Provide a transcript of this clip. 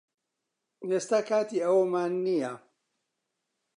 ئێستا کاتی ئەوەمان نییە